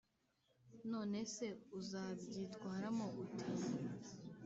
None se uzabyitwaramo ute